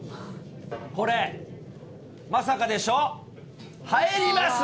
これ、まさかでしょ、入ります。